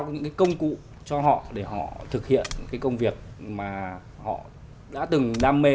có những cái công cụ cho họ để họ thực hiện cái công việc mà họ đã từng đam mê